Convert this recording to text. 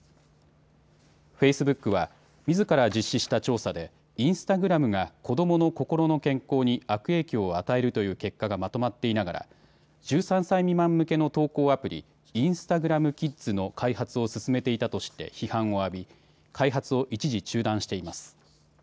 フェイスブックはみずから実施した調査でインスタグラムが子どもの心の健康に悪影響を与えるという結果がまとまっていながら１３歳未満向けの投稿アプリ、インスタグラム・キッズの開発を進めていたとして批判を浴び開発を一時中断しています。